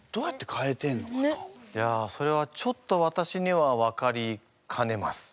いやそれはちょっとわたしには分かりかねます。